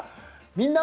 「みんな！